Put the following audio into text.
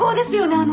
あの。